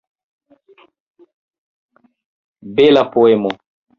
Bela poemo!